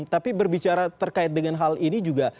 tapi berbicara terkait dengan hal ini juga